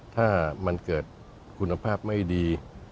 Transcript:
ถ้ามันเกิดคุณภาพไม่ดี